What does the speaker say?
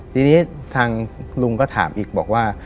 ทีนี้ทางลุงก็ถามอีกบอกว่า